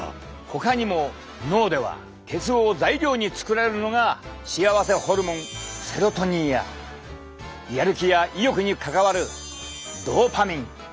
ほかにも脳では鉄を材料に作られるのが幸せホルモンセロトニンややる気や意欲に関わるドーパミン！